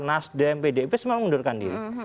nasdem pdip semua mengundurkan diri